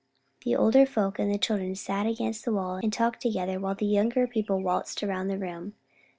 The older folk and children sat against the wall and talked together while the younger people waltzed around the room.